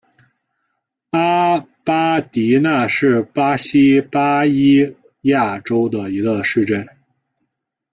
阿马迪纳是巴西巴伊亚州的一个市镇。